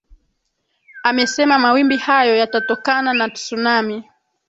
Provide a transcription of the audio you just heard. amesema mawimbi hayo yatatokana na tsunami